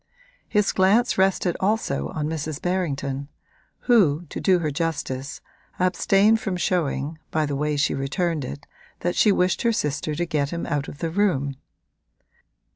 His glance rested also on Mrs. Berrington, who, to do her justice, abstained from showing, by the way she returned it, that she wished her sister to get him out of the room.